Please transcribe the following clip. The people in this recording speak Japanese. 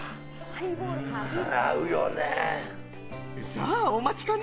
さあ、お待ちかね！